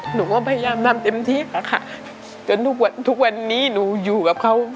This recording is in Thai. หนูก็พยายามทำเต็มที่ค่ะจนทุกวันทุกวันนี้หนูอยู่กับเขา